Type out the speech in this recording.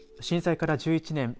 震災から１１年。